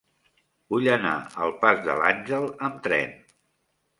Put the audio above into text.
Vull anar al pas de l'Àngel amb tren.